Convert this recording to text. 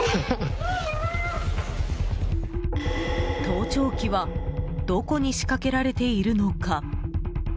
盗聴器はどこに仕掛けられているのか？